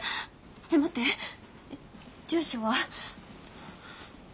えっ待って住所は。